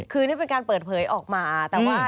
คือนี่เป็นการเปิดเผยออกมาแต่ว่า